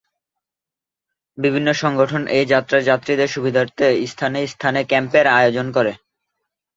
বিভিন্ন সংগঠন এই যাত্রার যাত্রীদের সুবিধার্থে স্থানে স্থানে ক্যাম্পের আয়োজন করে।